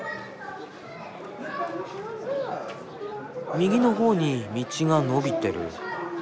右の方に道が延びてる。